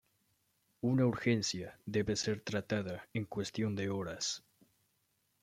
Una urgencia debe ser tratada en cuestión de horas.